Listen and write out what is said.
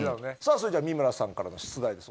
それじゃあ三村さんからの出題です